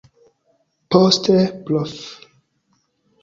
Poste prof.